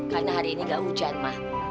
karena hari ini nggak hujan ma